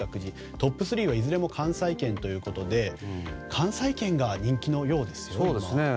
トップ３はいずれも関西圏ということで関西圏が人気のようですね。